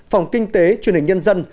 phòng kinh tế truyền hình nhân dân